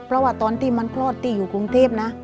เพราะว่าตอนที่มันคลอดที่อยู่กรุงเทพนะ